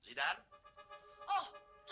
bagaimana kamu tidak mengenal saya